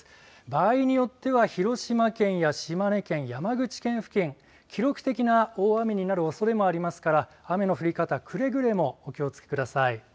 場合によっては、広島県や島根県、山口県付近、記録的な大雨になるおそれもありますから、雨の降り方、くれぐれもお気をつけください。